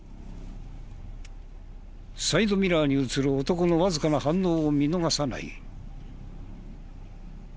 サイドミラーに映る男のわずかな反応を見逃さない。